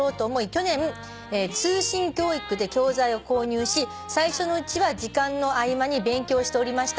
去年通信教育で教材を購入し最初のうちは時間の合間に勉強しておりました」